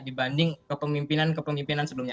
dibanding kepemimpinan kepemimpinan sebelumnya